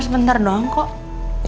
cuma gak ada orang lagi